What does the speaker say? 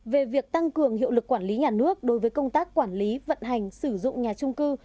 về việc tăng cường hiệu lực quản lý nhà nước đối với công tác quản lý vận hành sử dụng nhà trung cư